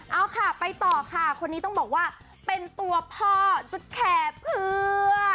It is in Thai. เอาค่ะไปต่อค่ะคนนี้ต้องบอกว่าเป็นตัวพ่อจะแคร์เพื่อ